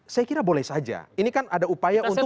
saya kira boleh saja ini kan ada upaya untuk